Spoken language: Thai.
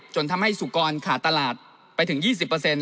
จนทำให้สุขกรขาดตลาดไปถึงยี่สิบเปอร์เซ็นต์